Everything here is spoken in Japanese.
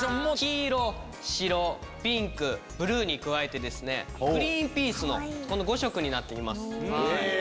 黄色白ピンクブルーにグリーンピースの５色になっています。